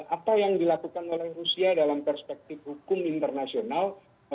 apa yang dilakukan oleh rusia dalam perspektif hukum internasional